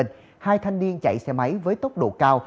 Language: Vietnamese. hai thanh niên chạy xe máy với tốc độ cao